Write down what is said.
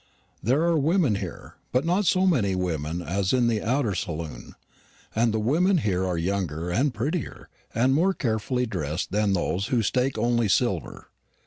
There are women here; but not so many women as in the outer saloon; and the women here are younger and prettier and more carefully dressed than those who stake only silver.